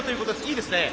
いいですね。